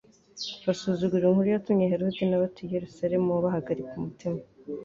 Basuzugura inkuru zatumye Herode n'abatuye i Yerusalemu bahagarika umutima.